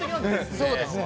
そうですね。